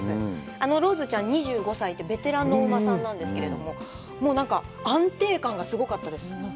あのローズちゃん、２５歳でベテランのお馬さんなんですけれども、安定感がすごかったです。